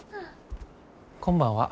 こんばんは。